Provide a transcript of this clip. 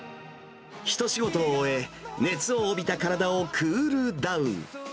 一仕事を終え、熱を帯びた体をクールダウン。